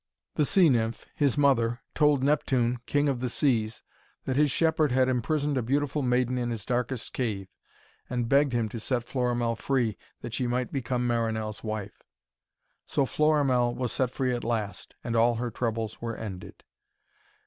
The sea nymph, his mother, told Neptune, King of the Seas, that his shepherd had imprisoned a beautiful maiden in his darkest cave, and begged him to set Florimell free, that she might become Marinell's wife. So Florimell was set free at last, and all her troubles were ended.